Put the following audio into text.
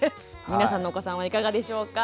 皆さんのお子さんはいかがでしょうか？